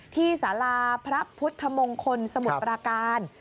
สาราพระพุทธมงคลสมุทรปราการ